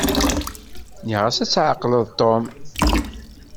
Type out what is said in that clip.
Nniɣ-as ad tɛeqleḍ Tom.